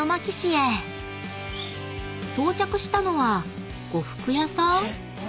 ［到着したのは呉服屋さん？］